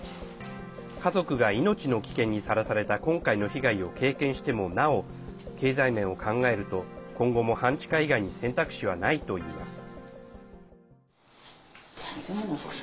家族が命の危険にさらされた今回の被害を経験してもなお経済面を考えると今後も半地下以外に選択肢はないといいます。